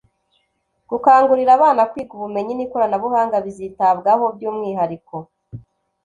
gukangurira abana kwiga ubumenyi n'ikoranabuhanga bizitabwaho by'umuhariko.